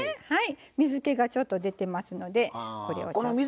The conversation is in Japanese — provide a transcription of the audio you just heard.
水けがちょっと出てますのでこれをちょっと。